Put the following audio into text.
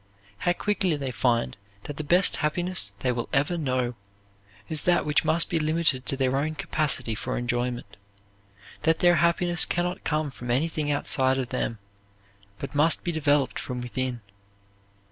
How quickly they find that the best happiness they will ever know is that which must be limited to their own capacity for enjoyment, that their happiness can not come from anything outside of them but must be developed from within.